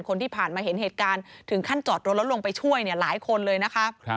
คนที่ผ่านมาเห็นเหตุการณ์ถึงขั้นจอดรถแล้วลงไปช่วยหลายคนเลยนะคะ